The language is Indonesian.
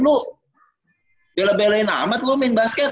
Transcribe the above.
lo bela belain amat lo main basket